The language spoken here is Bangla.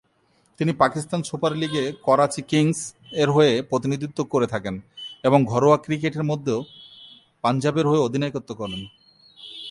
তিনি পাকিস্তান সুপার লীগ-এ করাচি কিংস এর হয়ে প্রতিনিধিত্ব করে থাকেন এবং ঘরোয়া ক্রিকেটে মধ্য পাঞ্জাবের হয়ে অধিনায়কত্ব করেন।